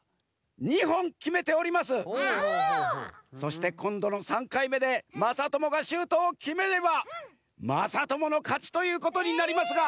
そしてこんどの３かいめでまさともがシュートをきめればまさとものかちということになりますが。